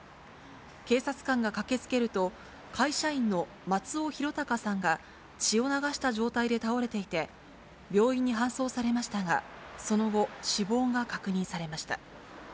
警察官が駆けつけると、会社員の松尾啓生さんが血を流した状態で倒れていて、病院に搬送されましたが、その後、死亡が確認されました。